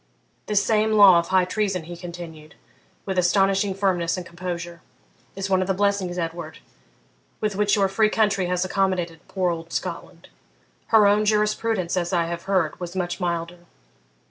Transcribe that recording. This same law of high treason,' he continued, with astonishing firmness and composure, 'is one of the blessings, Edward, with which your free country has accommodated poor old Scotland; her own jurisprudence, as I have heard, was much milder.